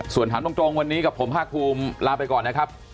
ส่วนถามตรงวันนี้กับผมภาคภูมิลาไปก่อนนะครับ